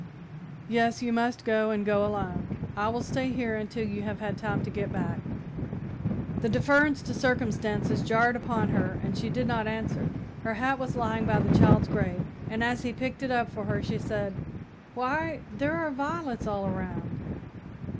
"Yes, you must go, and go alone. I will stay here until you have had time to get back." The deference to circumstances jarred upon her and she did not answer. Her hat was lying by the child's grave, and as he picked it up for her, she said: "Why, there are violets all around.